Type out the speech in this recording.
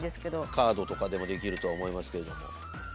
カードとかでもできると思いますけども。